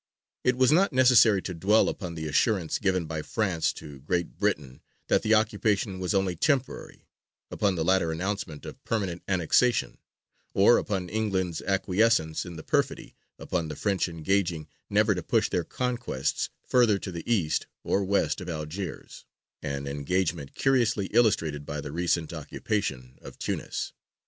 It is not necessary to dwell upon the assurance given by France to Great Britain that the occupation was only temporary; upon the later announcement of permanent annexation; or upon England's acquiescence in the perfidy, upon the French engaging never to push their conquests further to the east or west of Algiers an engagement curiously illustrated by the recent occupation of Tunis.